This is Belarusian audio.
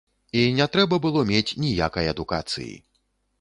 І не трэба было мець ніякай адукацыі.